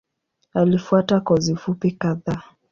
Alifuata kozi fupi kadhaa.